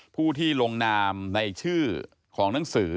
ผู้ที่ลงนามในชื่อของหนังสือ